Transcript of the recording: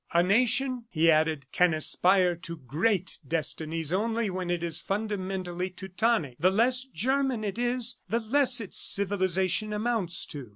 "A nation," he added, "can aspire to great destinies only when it is fundamentally Teutonic. The less German it is, the less its civilization amounts to.